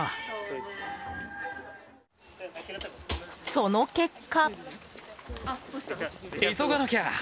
その結果。